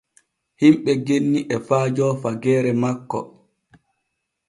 Himɓe genni e faajo fageere makko.